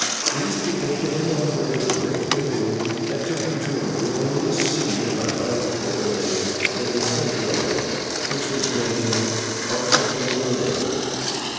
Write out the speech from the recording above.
These people put him on board a great canoe, and took him to a glorious city with a high pyramid in the centre of it, which was named Heart of the World.